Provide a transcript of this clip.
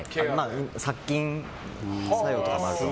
殺菌作用とかもあるから。